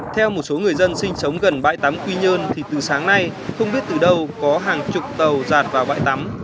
theo một số người dân sinh sống gần bãi tắm quy nhơn thì từ sáng nay không biết từ đâu có hàng chục tàu giạt vào bãi tắm